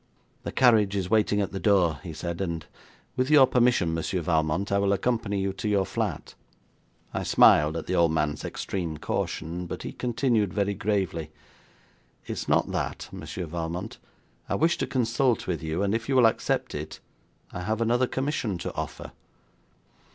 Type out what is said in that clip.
'The carriage is waiting at the door,' he said, 'and with your permission, Monsieur Valmont, I will accompany you to your flat.' I smiled at the old man's extreme caution, but he continued very gravely: 'It is not that, Monsieur Valmont. I wish to consult with you, and if you will accept it, I have another commission to offer.'